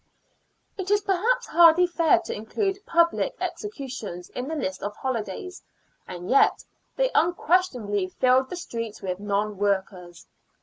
It is perhaps hardly fair to include public executions in the list of holidays, and yet they unquestionably filled the streets with non workers.